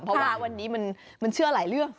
เพราะว่าวันนี้มันเชื่อหลายเรื่อง